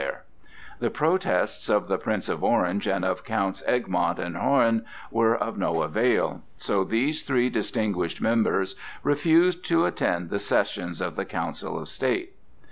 The protests of the Prince of Orange and of Counts Egmont and Hoorn were of no avail, so these three distinguished members refused to attend the sessions of the Council of State.